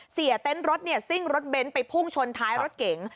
เต็นต์รถซิ่งรถเบนท์ไปพุ่งชนท้ายรถเก๋ง